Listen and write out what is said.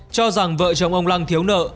cho rằng vợ chồng ông lăng thiếu nợ